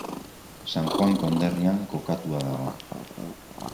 San Juan konderrian kokatua dago.